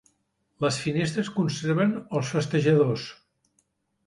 Les Finestres conserven els festejadors.